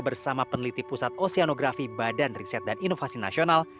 bersama peneliti pusat oseanografi badan riset dan inovasi nasional